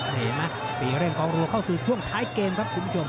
นี่เห็นไหมตีเร่งกองรัวเข้าสู่ช่วงท้ายเกมครับคุณผู้ชม